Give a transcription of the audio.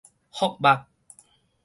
福肉